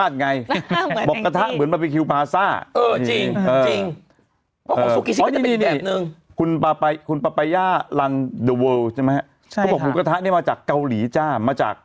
ใช่ไหมครับเขาบอกหมูกระทะเนี้ยมาจากเกาหลีจ้ามาจาก